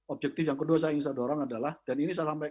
objektif yang kedua saya ingin saya dorong adalah dan ini saya sampaikan